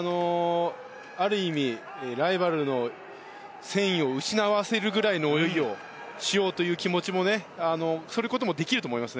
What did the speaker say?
ある意味、ライバルの戦意を失わせるぐらいの泳ぎをしようという気持ちもすることもできると思います。